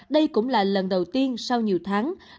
đây cũng là lần đầu tiên sau nhiều tháng